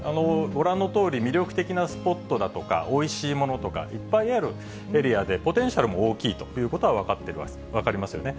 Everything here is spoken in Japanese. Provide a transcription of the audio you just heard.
ご覧のとおり、魅力的なスポットだとかおいしいものとか、いっぱいあるエリアで、ポテンシャルも大きいということは分かりますよね。